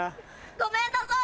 ごめんなさい！